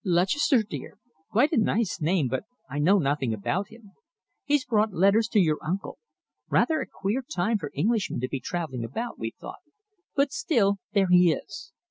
"Lutchester, dear. Quite a nice name, but I know nothing about him. He brought letters to your uncle. Rather a queer time for Englishmen to be travelling about, we thought, but still, there he is.